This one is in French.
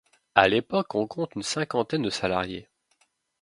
À l’époque on compte une cinquantaine de salariés.